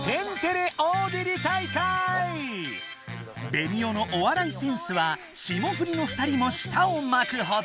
ベニオのお笑いセンスは霜降りの２人もしたをまくほど！